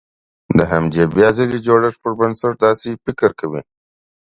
د همدې بيا ځلې جوړښت پر بنسټ داسې فکر کوي.